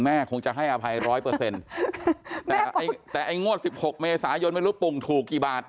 คงจะให้อภัยร้อยเปอร์เซ็นต์แต่ไอ้แต่ไอ้งวดสิบหกเมษายนไม่รู้ปุ่งถูกกี่บาท